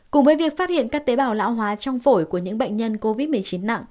cùng với việc phát hiện các tế bào lão hóa trong phổi của những bệnh nhân covid một mươi chín nặng